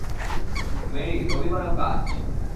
Mary, রবিবারও কাজ?